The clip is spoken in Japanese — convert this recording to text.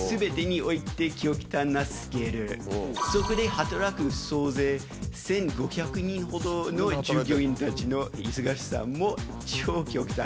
そこで働く総勢１５００人ほどの従業員たちの忙しさも超極端。